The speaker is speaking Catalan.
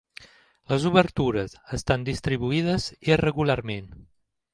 Les obertures estan distribuïdes irregularment.